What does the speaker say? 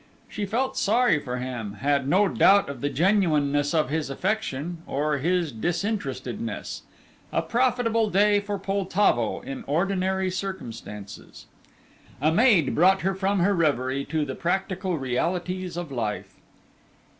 She felt sorry for him, had no doubt of the genuineness of his affection, or his disinterestedness. A profitable day for Poltavo in ordinary circumstances. A maid brought her from her reverie to the practical realities of life.